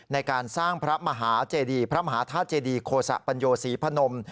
ในการสร้างพระมหาเจดีพระมหาธาตุเจดีโคสะปัญโยศรีพนม